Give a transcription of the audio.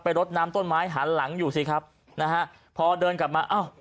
ไปรดน้ำต้นไม้หาหลังอยู่สิครับพอเดินกลับมา